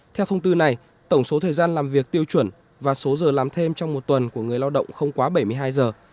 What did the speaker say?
theo thông tư này tổng số thời gian làm việc tiêu chuẩn và số giờ làm thêm trong một tuần của người lao động không quá bảy mươi hai giờ